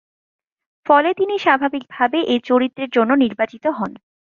ফলে তিনি স্বাভাবিকভাবেই এই চরিত্রের জন্য নির্বাচিত হন।